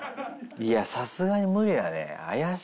いやさすがに無理だね。